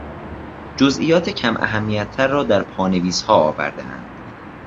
جزئیات کماهمیتتر را در پانویسها آوردهاند.